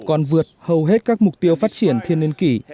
còn vượt hầu hết các mục tiêu phát triển thiên niên kỷ